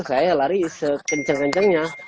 saya lari sekenceng kencengnya